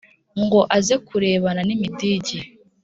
ngo aze kurebana n’imidigi